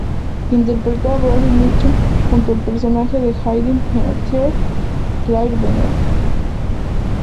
Interpretó a Brody Mitchum, junto al personaje de Hayden Panettiere, Claire Bennett.